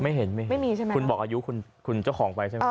ไม่เห็นมีไม่มีใช่ไหมคุณบอกอายุคุณเจ้าของไปใช่ไหม